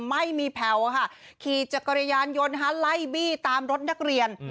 ไม่มีแผลวค่ะขี่จักรยานยนต์ไล่บี้ตามรถนักเรียน